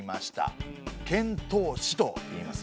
遣唐使といいますね。